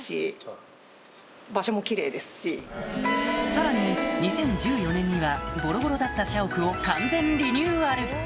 さらに２０１４年にはボロボロだった社屋を完全リニューアル